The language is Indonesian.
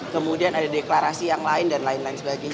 kemudian ada deklarasi yang lain dan lain lain sebagainya